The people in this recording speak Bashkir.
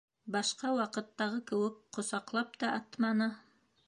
Башҡа ваҡыттағы кеүек ҡосаҡлап та атманы.